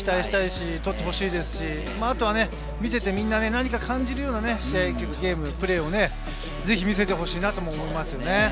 当然金メダルも期待したいしとってほしいですし、見ていてみんな何か感じるような試合、ゲーム、プレーを見せてほしいなと思いますね。